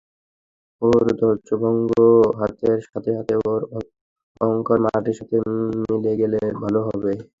ওর ধ্বজভঙ্গ হাতের সাথে সাথে ওর অহংকারও মাটির সাথে মিশে গেলে ভালো হবে।